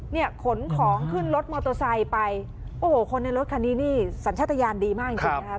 ขนของขึ้นรถมอเตอร์ไซค์ไปโอ้โหคนในรถคันนี้นี่สัญชาติยานดีมากจริงจริงนะครับ